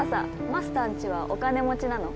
マスターん家はお金持ちなの？